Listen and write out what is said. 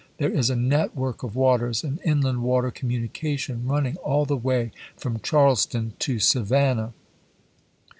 .. There is a network of waters, an inland water communication, running all the way from Charleston to Savannah.